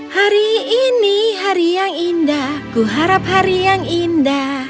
hari ini hari yang indah kuharap hari yang indah